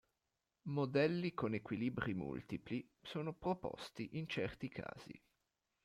Modelli con equilibri multipli sono proposti in certi casi.